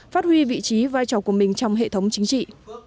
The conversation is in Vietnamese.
phát huy vị trí vai trò của mình trong hệ thống chính trị